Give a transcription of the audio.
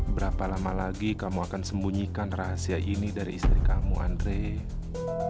berapa lama lagi kamu akan sembunyikan rahasia ini dari istri kamu andre